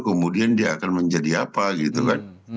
kemudian dia akan menjadi apa gitu kan